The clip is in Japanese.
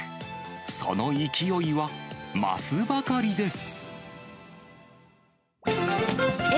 その勢いは増すばかりです。